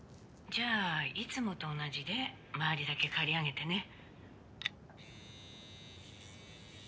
「じゃあいつもと同じで周りだけ刈り上げてね」